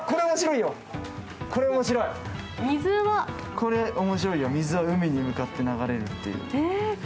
これ面白いよ、「水は海に向かって流れる」